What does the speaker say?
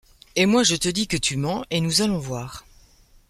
Et moi je te dis que tu mens, et nous allons voir !